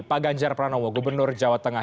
pak ganjar pranowo gubernur jawa tengah